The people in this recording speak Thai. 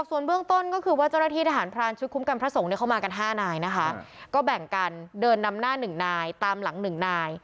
เวลาที่ทหารพรานชุดคุ้มกันพระสงฆ์ในเข้ามากันห้านายนะคะก็แบ่งกันเดินดำหน้าหนึ่งนายตามหลังหนึ่งนาย